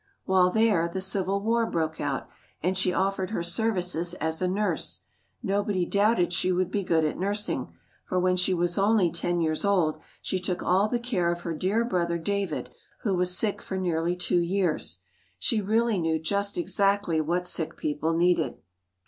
While there, the Civil War broke out, and she offered her services as a nurse. Nobody doubted she would be good at nursing, for when she was only ten years old, she took all the care of her dear brother David, who was sick for nearly two years. She really knew just exactly what sick people needed.